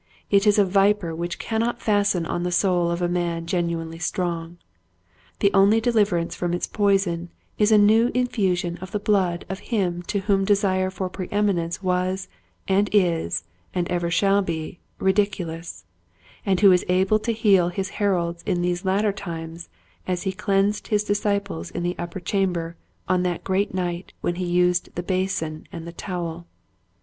It is a viper which cannot fasten on the soul of a man genuinely strong. The only deliverance from its poison is a new infusion of the blood of him to whom desire for pre eminence was and is and ever shall be ridiculous, and who is able to heal his heralds in these later times as he cleansed his disciples in the upper chamber on that great night when he used the basin and the towel.